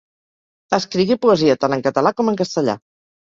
Escrigué poesia tant en català com en castellà.